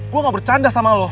gue mau bercanda sama lo